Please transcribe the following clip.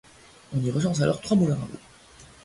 On y recense alors trois moulins à eau.